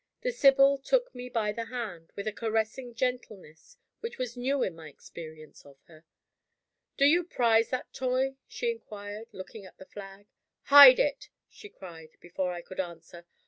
The Sibyl took me by the hand, with a caressing gentleness which was new in my experience of her. "Do you prize that toy?" she inquired, looking at the flag. "Hide it!" she cried, before I could answer.